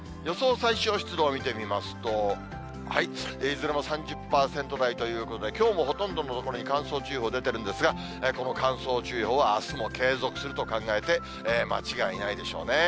最小湿度を見てみますと、いずれも３０％台ということで、きょうもほとんどの所に乾燥注意報出てるんですが、この乾燥注意報は、あすも継続すると考えて間違いないでしょうね。